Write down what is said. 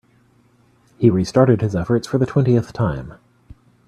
He restarted his efforts for the twentieth time.